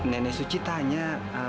nenek suci tanya